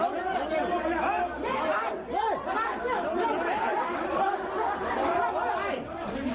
ก็คุณทำได้อยู่ในหัวงานเองนะฮะจริงดีนี่นี่เนี่ย